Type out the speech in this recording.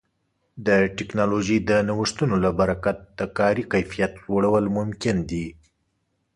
د ټکنالوژۍ د نوښتونو له برکت د کاري کیفیت لوړول ممکن دي.